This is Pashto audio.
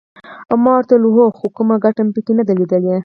ما ورته وویل هو خو کومه ګټه مې پکې نه ده لیدلې.